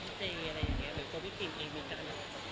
หรือพี่พีร์นเองมั้ยก็คำถามได้หรือว่า